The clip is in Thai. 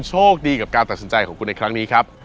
โชคดีกับการตัดสินใจของคุณในครั้งนี้ครับ